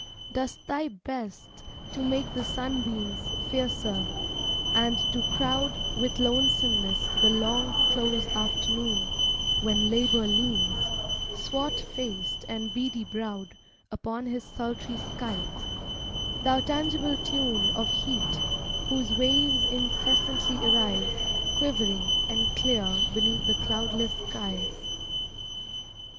dost thy best To make the sunbeams fiercer, and to crowd With lonesomeness the long, close afternoon When Labor leans, swart faced and beady browed, Upon his sultry scythe thou tangible tune Of heat, whose waves incessantly arise Quivering and clear beneath the cloudless skies.